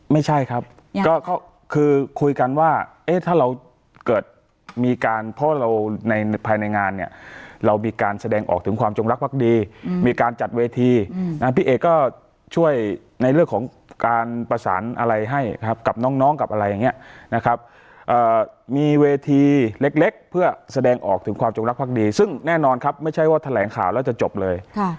ไม่ใช่ครับก็คือคุยกันว่าเอ๊ะถ้าเราเกิดมีการเพราะเราในภายในงานเนี่ยเรามีการแสดงออกถึงความจงรักภักดีมีการจัดเวทีนะพี่เอก็ช่วยในเรื่องของการประสานอะไรให้ครับกับน้องกับอะไรอย่างนี้นะครับมีเวทีเล็กเพื่อแสดงออกถึงความจงรักภักดีซึ่งแน่นอนครับไม่ใช่ว่าแถลงข่าวแล้วจะจบเลย